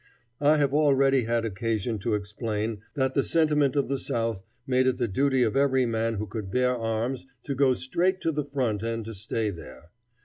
I have already had occasion to explain that the sentiment of the South made it the duty of every man who could bear arms to go straight to the front and to stay there.